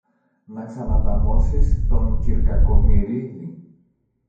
να ξανανταμώσεις τον κυρ Κακομοιρίδη